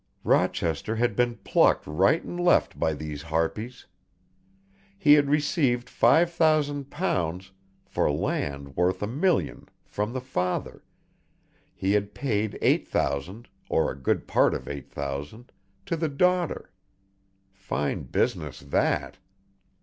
Rochester had been plucked right and left by these harpies. He had received five thousand pounds for land worth a million from the father, he had paid eight thousand, or a good part of eight thousand to the daughter. Fine business that!